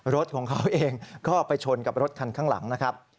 รถของเขาเองก็ไปชนกับรถคันข้างหลังนะครับ